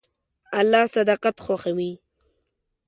الله صداقت خوښوي.